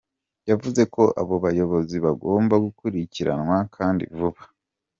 Yavuze ko abo bayobozi bagomba gukurikiranwa kandi vuba.